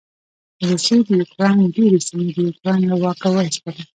روسې د يوکراین ډېرې سېمې د یوکراين له واکه واېستلې.